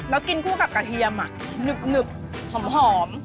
แล้วกินคู่กับกระเทียมหนึบหอม